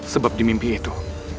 sebab di mimpi itu